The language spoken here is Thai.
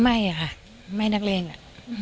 ไม่ค่ะไม่นักเลงอะ